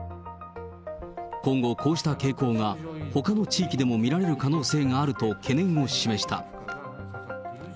今後、こうした傾向がほかの地域でも見られる可能性があると懸念を示した。